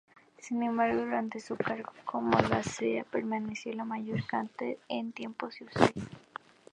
Sin embargo, durante su cargo como abadesa, permaneció el mayor tiempo en Suecia.